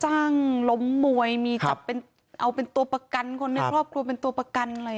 จ้างล้มมวยมีจับเป็นครับเอาเป็นตัวประกันคนในครอบครัวเป็นตัวประกันอะไรอย่างงี้